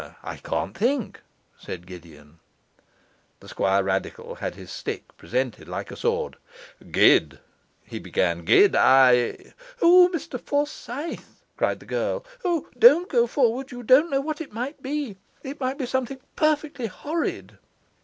'I can't think,' said Gideon. The Squirradical had his stick presented like a sword. 'Gid,' he began, 'Gid, I ' 'O Mr Forsyth!' cried the girl. 'O don't go forward, you don't know what it might be it might be something perfectly horrid.